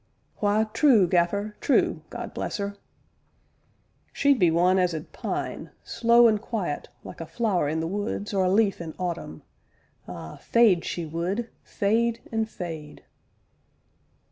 "Why, true, Gaffer, true, God bless 'er!" "She be one as 'ud pine slow an' quiet, like a flower in the woods, or a leaf in autumn ah! fade, she would, fade an' fade!"